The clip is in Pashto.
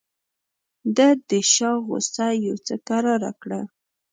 ده د شاه غوسه یو څه کراره کړه.